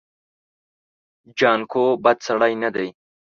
جانکو بد سړی نه دی.